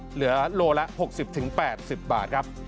เหลือโลละ๖๐๘๐บาทครับ